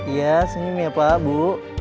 ya senyum ya pak bu